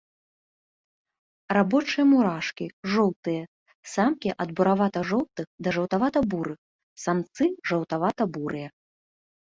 Рабочыя мурашкі, жоўтыя, самкі ад буравата-жоўтых да жаўтавата-бурых, самцы жаўтавата-бурыя.